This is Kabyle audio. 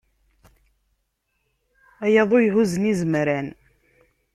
A yaḍu ihuzzen izemran.